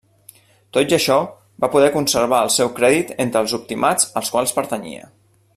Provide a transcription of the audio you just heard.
Tot i això va poder conservar el seu crèdit entre els optimats als quals pertanyia.